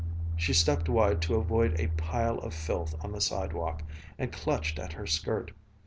She stepped wide to avoid a pile of filth on the sidewalk, and clutched at her skirt.